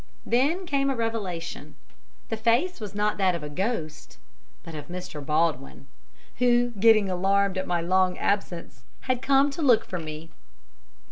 Then came a revelation. The face was not that of a ghost but of Mr. Baldwin, who, getting alarmed at my long absence, had come to look for me.